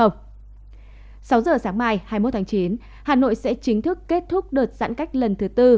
sáu giờ sáng mai hai mươi một tháng chín hà nội sẽ chính thức kết thúc đợt giãn cách lần thứ tư